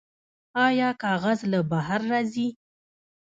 آیا کاغذ له بهر راځي؟